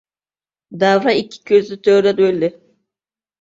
Davra ikki ko‘zi to‘rda bo‘ldi.